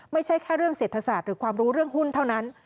ไม่ใช่แค่เรื่องเศรษฐศาสตร์หรือความรู้เรื่องหุ้นเท่านั้น